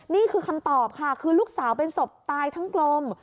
นี่คือคำตอบค่ะคือลูกสาวเป็นศพตายทั้งกลม